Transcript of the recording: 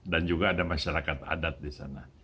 dan juga ada masyarakat adat di sana